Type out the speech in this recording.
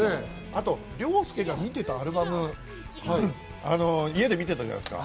凌介が見ていたアルバム、家で見てたじゃないですか。